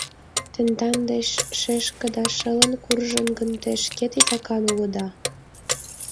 Тендан деч шешкыда шылын куржын гын, те шке титакан улыда!